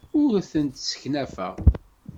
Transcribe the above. Ur tent-sseknafeɣ.